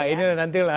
pak ini nanti lah